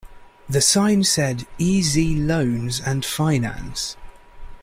The sign said E Z Loans and Finance.